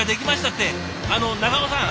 ってあの長尾さん